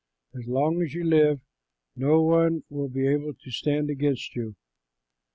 As long as you live no one will be able to stand against you.